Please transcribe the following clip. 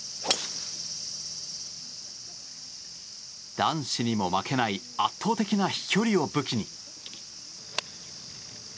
男子にも負けない圧倒的な飛距離を武器に。